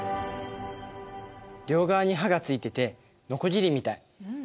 両側に刃がついててのこぎりみたい。